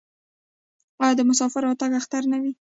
آیا د مسافر راتګ اختر نه وي؟